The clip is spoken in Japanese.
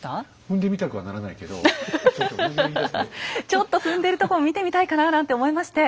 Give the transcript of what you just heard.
ちょっと踏んでるとこを見てみたいかななんて思いまして。